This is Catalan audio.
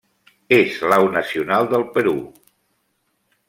És l'au nacional del Perú.